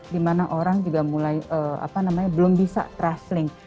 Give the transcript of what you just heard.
dimana orang juga mulai apa namanya belum bisa traveling